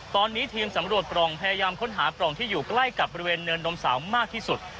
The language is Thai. ตอนนี้ทีมสำรวจปล่องพยายามค้นหาปล่องที่อยู่ใกล้กับบริเวณเนินนมสาวมากที่สุด